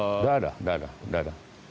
nggak ada nggak ada nggak ada